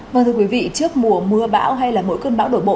vâng thưa quý vị trước mùa mưa bão hay mỗi cơn bão đổ bộ